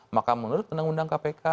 maka menurut undang undang kpk